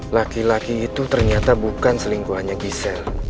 laki laki itu ternyata bukan selingkuhannya gisel